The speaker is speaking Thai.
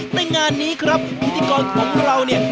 แต่งานนี้ครับพิธีกรของเราเนี่ย